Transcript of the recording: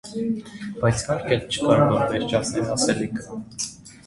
Բայց հարկ էլ չկար որ վերջացներ ասելիքը.